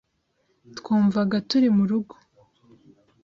Twumvaga turi mu rugo .